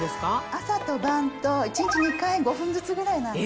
朝と晩と１日２回５分ずつぐらいなんで。